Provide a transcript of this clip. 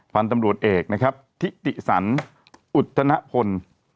พันธุ์ตำรวจเอกทิติสันอุทธนพล